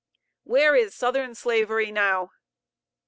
Where is Southern Slavery now?